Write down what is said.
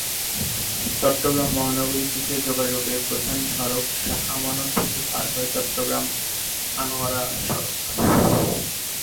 চট্টগ্রাম মহানগরী থেকে যোগাযোগের প্রধান সড়ক শাহ আমানত সেতু পার হয়ে চট্টগ্রাম-আনোয়ারা সড়ক।